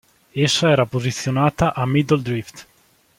Essa era posizionata a Middle Drift.